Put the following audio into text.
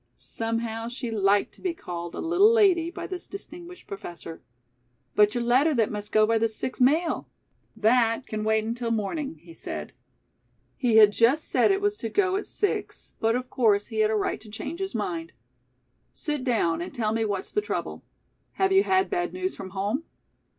Somehow, she liked to be called a "little lady" by this distinguished professor. "But your letter that must go by the six mail?" "That can wait until morning," he said. He had just said it was to go at six, but, of course, he had a right to change his mind. "Sit down and tell me what's the trouble. Have you had bad news from home?"